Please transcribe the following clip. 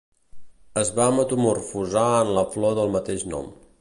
Es va metamorfosar en la flor del mateix nom.